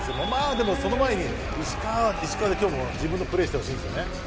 でも、その前に石川は石川で今日も自分のプレーをしてほしいですね。